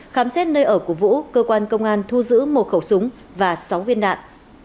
khám xét nợ của vũ cơ quan công an thu giữ một khẩu súng và sáu viên đạn